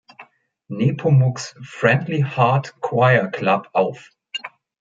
Nepomuk’s Friendly Heart Choir Club auf.